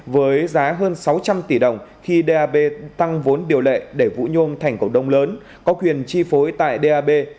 với giá hơn sáu trăm linh tỷ đồng khi dab tăng vốn điều lệ để vũ nhôm thành cộng đồng lớn có quyền chi phối tại dab